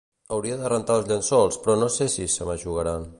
Hauria de rentar els llençols però no sé si se m'eixugaran